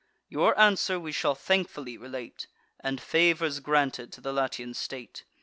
Your answer we shall thankfully relate, And favours granted to the Latian state.